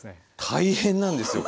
大変なんですよ！